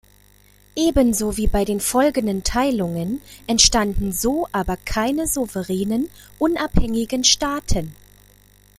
Ebenso wie bei den folgenden Teilungen entstanden so aber keine souveränen, unabhängigen Staaten.